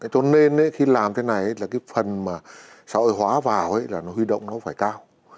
cho nên khi làm thế này là cái phần mà xã hội hóa vào là nó huy động nó phải cao